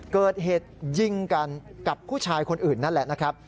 เกิดเหตุยิงกันกับผู้ชายคนอื่นนั่นแหละนะครับ